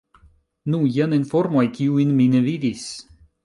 Nu, jen informoj, kiujn mi ne vidis.